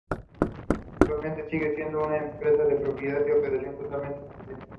Actualmente sigue siendo una empresa de propiedad y operación totalmente familiar.